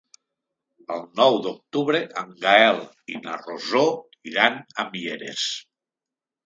El nou d'octubre en Gaël i na Rosó iran a Mieres.